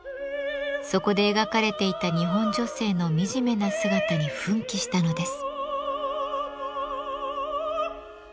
そこで描かれていた日本女性の惨めな姿に奮起したのです。